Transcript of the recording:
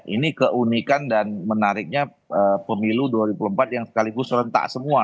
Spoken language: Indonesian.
ini keunikan dan menariknya pemilu dua ribu empat yang sekaligus serentak semua